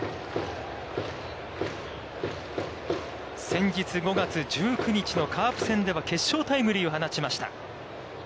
先日、５月１９日のカープ戦では決勝タイムリーを放ちました。